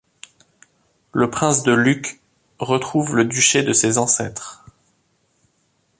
Le prince de Lucques retrouve le duché de ses ancêtres.